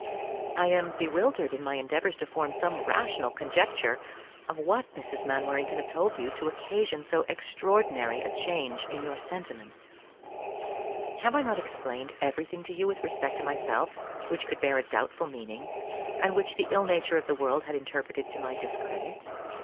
I am bewildered in my endeavours to form some rational conjecture of what Mrs. Mainwaring can have told you to occasion so extraordinary a change in your sentiments. Have I not explained everything to you with respect to myself which could bear a doubtful meaning, and which the ill nature of the world had interpreted to my discredit?